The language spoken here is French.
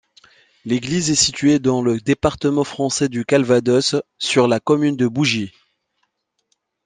L'église est située dans le département français du Calvados, sur la commune de Bougy.